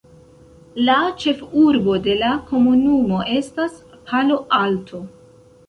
La ĉefurbo de la komunumo estas Palo Alto.